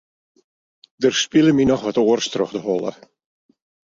Der spile my wat oars troch de holle.